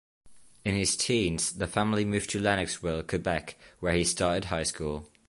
In his teens, the family moved to Lennoxville, Quebec where he started high school.